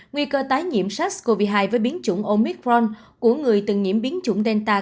nguy cơ tái nhiễm sars cov hai với biến chủng omitron của người từng nhiễm biến chủng delta